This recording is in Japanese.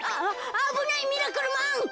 あぶないミラクルマン。